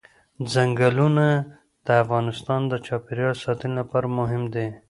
ځنګلونه د افغانستان د چاپیریال ساتنې لپاره مهم دي.